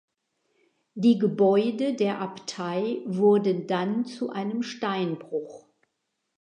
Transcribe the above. Die Gebäude der Abtei wurden dann zu einem Steinbruch.